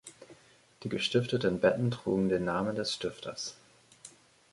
Die gestifteten Betten trugen den Namen des Stifters.